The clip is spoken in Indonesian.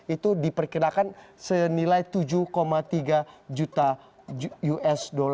itu diperkirakan senilai tujuh tiga juta usd